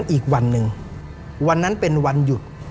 อีกวันหนึ่งวันนั้นเป็นวันหยุด